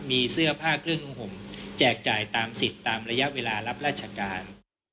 มีเสื้อผ้าเครื่องของผมแจกจ่ายตามสิทธิ์ตามระยะเวลารับราชการ